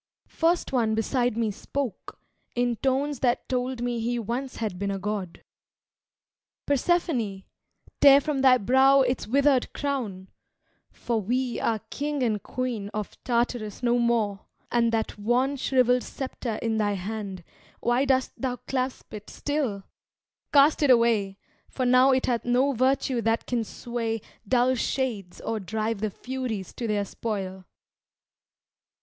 First one beside me spoke, in tones that told He once had been a god "Persephone, Tear from thy brow its withered crown, for we Are king and queen of Tartarus no more; And that wan, shrivelled sceptre in thy hand, Why dost thou clasp it still? Cast it away, For now it hath no virtue that can sway Dull shades or drive the Furies to their spoil.